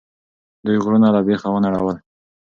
دوی غرونه له بیخه ونړول.